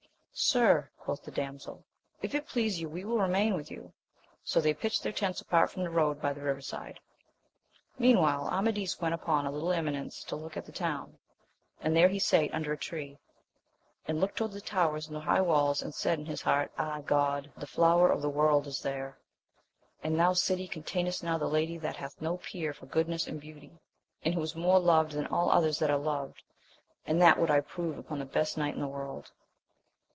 Sir, quoth the damsel, if it please you we will remain with you ; so they pitched their tents apart from the road, by the river side. Mean while Amadis went upon a little eminence to loak at the town, and there he sate under a tree, and looked toward the towers and the high walls, and he said in his heart, ah, God ! the flower of the world is there ! and thou city containest now the lady that hath no peer for goodness and beauty ; and who is more loved than all others that are loved, and that would I prove upon the best knight in the world.